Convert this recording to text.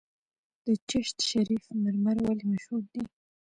د چشت شریف مرمر ولې مشهور دي؟